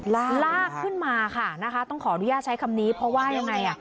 ลากขึ้นมาค่ะต้องขออนุญาตใช้คำนี้เพราะว่ายังไง